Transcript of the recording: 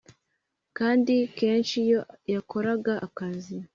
kandi kenshi iyo yakoraga akazi